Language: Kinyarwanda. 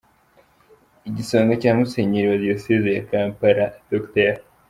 Igisonga cya Musenyeri wa Diyosezi ya Kampala, Dr.